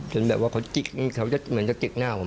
จนแบบว่าเขาจิ๊กมันจะจิ๊กหน้าผม